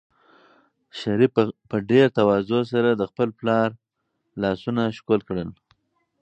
شریف په ډېرې تواضع سره د خپل پلار لاسونه ښکل کړل.